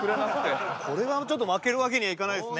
これはちょっと負けるわけにはいかないですね。